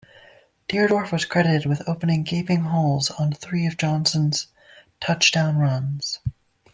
Dierdorf was credited with opening gaping holes on three of Johnson's touchdown runs.